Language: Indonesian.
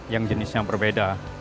yang jenisnya berbeda